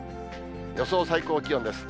予想最高気温です。